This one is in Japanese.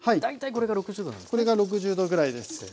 これが６０℃ぐらいです。